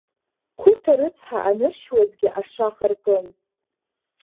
Қәыҭа рыцҳа аныршьуазгьы ашаха ркын…